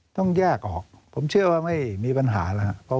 ต้องแยกออกผมเชื่อว่าไม่มีปัญหาแล้วครับ